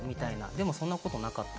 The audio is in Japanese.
でもそんなことなかった。